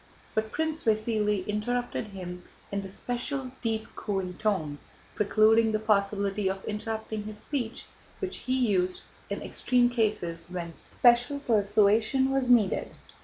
But Prince Vasíli interrupted him in the special deep cooing tone, precluding the possibility of interrupting his speech, which he used in extreme cases when special persuasion was needed.